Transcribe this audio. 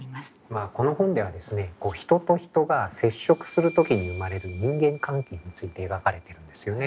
まあこの本ではですね人と人が接触する時に生まれる人間関係について描かれてるんですよね。